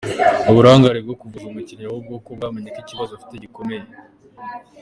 uburangare bwo kuvuza umukinnyi ahubwo ko bamenye ko ikibazo afite gikomeye